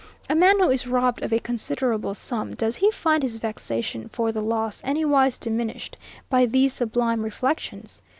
A man who is robbed of a considerable sum; does he find his vexation for the loss anywise diminished by these sublime reflections?